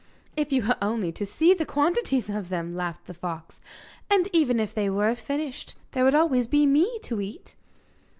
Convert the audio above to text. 'If you were only to see the quantities of them!' laughed the fox. 'And even if they were finished, there would always be ME to eat.